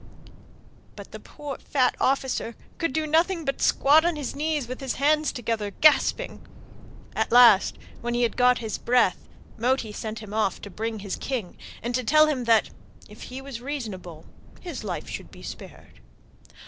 But the poor fat officer could do nothing but squat on his knees with his hands together, gasping. At last, when he got his breath, Moti sent him off to bring his king, and to tell him that if he was reasonable his life should be spared.